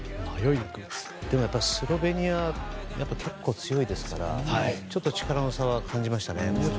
でもスロベニアって結構強いですから力の差は感じましたね。